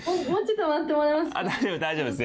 大丈夫大丈夫です